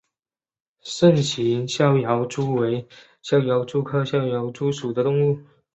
肾形逍遥蛛为逍遥蛛科逍遥蛛属的动物。